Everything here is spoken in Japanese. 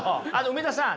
梅田さん